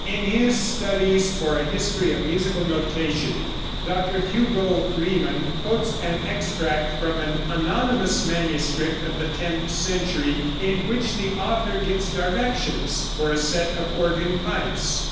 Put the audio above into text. In his studies for a history of musical notation, Dr. Hugo Riemann quotes an extract from an anonymous manuscript of the tenth century, in which the author gives directions for a set of organ pipes.